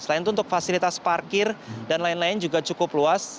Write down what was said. selain itu untuk fasilitas parkir dan lain lain juga cukup luas